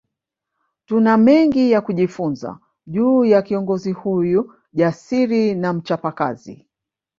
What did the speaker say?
Tuna mengi ya kujifunza juu ya kiongozi huyu jasiri na mchapakazi